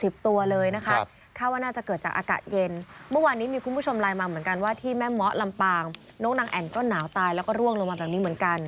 พวกนางแอ่งก็หนาวตายแล้วก็ร่วงลงมาตรงนี้เหมือนกัน